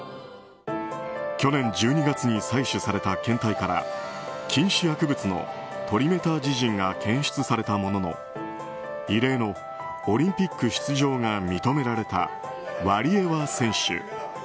去年１２月に採取された検体から禁止薬物のトリメタジジンが検出されたものの異例のオリンピック出場が認められたワリエワ選手。